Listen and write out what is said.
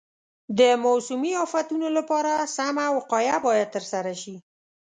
د موسمي افتونو لپاره سمه وقایه باید ترسره شي.